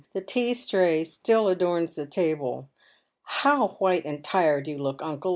The tea tray still adorns the table. " How whito and tired you look, uncle